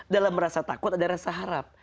dalam rasa takut ada rasa harap